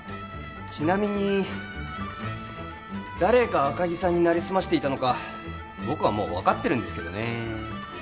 ちなみに誰が赤木さんになりすましていたのか僕はもう分かってるんですけどね